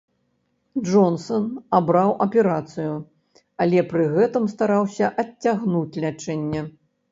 Джонсан абраў аперацыю, але пры гэтым стараўся адцягнуць лячэнне.